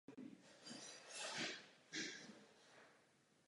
Také drží rekord v počtu zlatých a platinových alb.